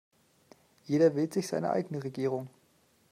Jeder wählt sich seine eigene Regierung.